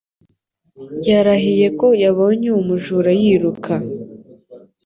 Yarahiye ko yabonye uwo mujura yiruka.